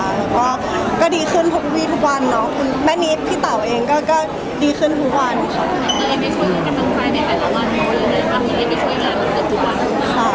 แล้วก็ดีขึ้นพบวิทย์ทุกวันเนาะแม่นี้พี่เต๋าเองก็ดีขึ้นทุกวันค่ะ